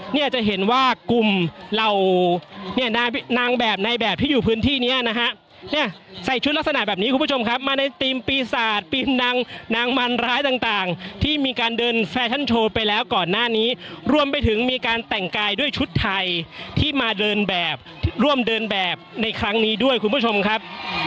เนี่ยจะเห็นว่ากลุ่มเหล่าเนี่ยนางแบบในแบบที่อยู่พื้นที่เนี้ยนะฮะเนี่ยใส่ชุดลักษณะแบบนี้คุณผู้ชมครับมาในธีมปีศาจมนางนางร้ายต่างที่มีการเดินแฟชั่นโชว์ไปแล้วก่อนหน้านี้รวมไปถึงมีการแต่งกายด้วยชุดไทยที่มาเดินแบบร่วมเดินแบบในครั้งนี้ด้วยคุณผู้ชมครับ